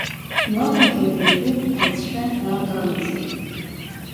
Уаҟагьы ари агәыԥ алҵшәа ҳәаак амаӡам…